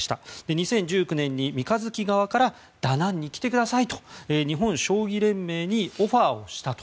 ２０１９年に三日月側からダナンに来てくださいと日本将棋連盟にオファーをしたと。